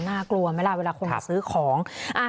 น่ากลัวไหมล่ะเวลาคนมาซื้อของ